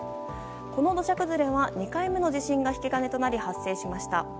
この土砂崩れは２回目の地震が引き金となり発生しました。